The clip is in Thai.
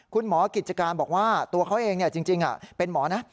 คุณหมอกิจการบอกว่าตัวเขาเองจริงเป็นหมอนะ